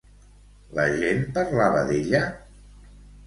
La gent parlava d'ella?